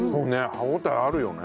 歯応えあるよね。